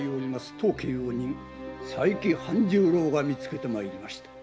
当家用人・佐伯半十郎が見つけてまいりました。